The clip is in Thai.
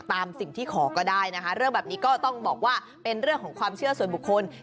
ตามสิ่งที่ขอก็ได้นะคะเรื่องแบบนี้ก็ต้องบอกว่าเป็นเรื่องของความเชื่อส่วนบุคคล